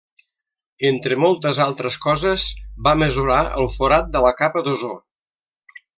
Entre moltes altres coses va mesurar el forat de la capa d'ozó.